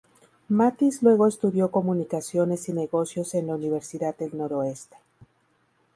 Mathis luego estudió comunicaciones y negocios en la Universidad del Noroeste.